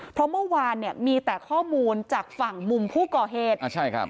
เพราะเมื่อวานเนี่ยมีแต่ข้อมูลจากฝั่งมุมผู้ก่อเหตุอ่าใช่ครับ